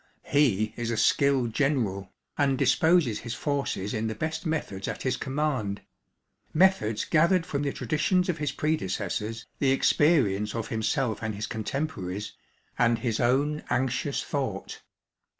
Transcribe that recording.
He is a skilled general, and disposes his forces in the best methods at his command ŌĆö methods gathered from the traditions of his predecessors, the experience of himself and his contemporaries, and his own anxious thought.